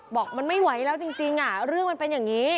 บอกมันไม่ไหวแล้วจริงเรื่องมันเป็นอย่างนี้